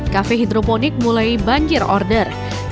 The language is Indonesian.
kafe hidroponik mulai banjir order